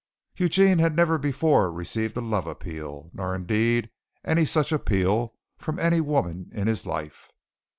Eugene had never before received a love appeal, nor indeed any such appeal from any woman in his life.